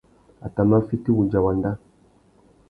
A tà mà fiti wudja wanda.